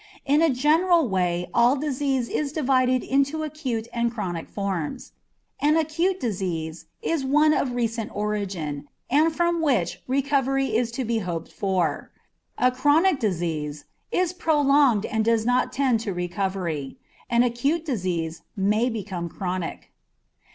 In a general way all disease is divided into acute and chronic forms. An acute disease is one of recent origin, and from which recovery is to be hoped for; a chronic disease is prolonged and does not tend to recovery; an acute disease may become chronic.